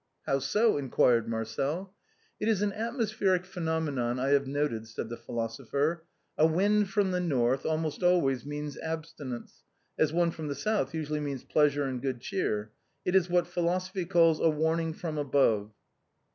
" How so," inquired Marcel. " It is an atmospheric phenomenon I have noted," said the philosopher; "a wind from the north almost always means abstinence, as one from the south usually means pleasure and good cheer. It is what philosophy calls a warning from above."